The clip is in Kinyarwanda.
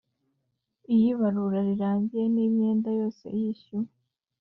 Iyo ibarura rirangiye n imyenda yose yishyuwe